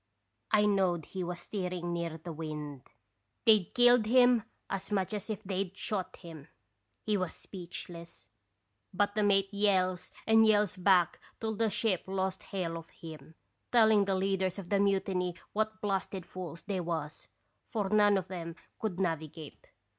I knowed he was steering near the wind; they 'd killed him as much as if they 'd shot him. He was speechless, but the mate yells and yells back till the ship lost hail of him, telling the leaders of the mutiny what blasted fools they was, for none of 'em could navigate.